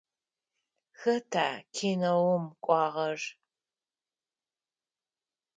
Хэта кинэум кӏуагъэр?